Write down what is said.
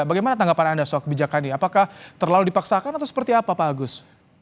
bagaimana tanggapan anda soal kebijakan ini apakah terlalu dipaksakan atau seperti apa pak agus